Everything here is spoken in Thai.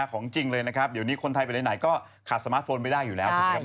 ของจริงเลยนะครับเดี๋ยวนี้คนไทยไปไหนก็ขาดสมาร์ทโฟนไม่ได้อยู่แล้วถูกไหมครับ